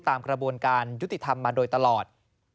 ตามกระบวนการยุติธรรมมาโดยตลอด